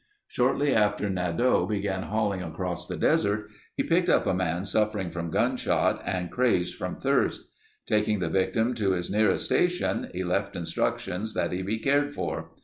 Shortly after Nadeau began hauling across the desert, he picked up a man suffering from gunshot and crazed from thirst. Taking the victim to his nearest station, he left instructions that he be cared for.